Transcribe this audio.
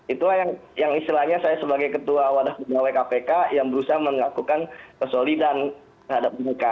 itulah yang istilahnya saya sebagai ketua wadah pegawai kpk yang berusaha melakukan kesolidan terhadap mereka